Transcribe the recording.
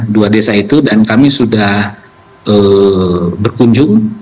dua desa itu dan kami sudah berkunjung